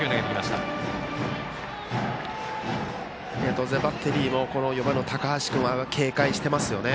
当然バッテリーも高橋君を警戒してますよね。